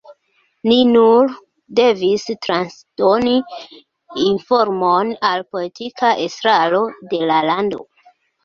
Li nur devis transdoni informon al politika estraro de la lando.